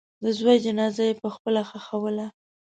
د زوی جنازه یې پخپله ښخوله.